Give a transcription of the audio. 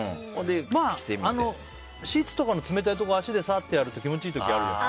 シーツとかの冷たいところ足でサーッとやると気持ちいい時あるじゃない。